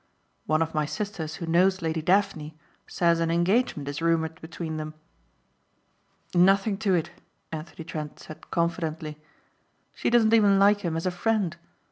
One of my sisters who knows Lady Daphne says an engagement is rumoured between them." "Nothing to it," Anthony Trent said confidently. "She doesn't even like him as a friend.